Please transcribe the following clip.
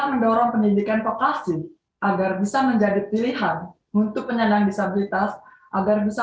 mendorong pendidikan vokasi agar bisa menjadi pilihan untuk penyandang disabilitas agar bisa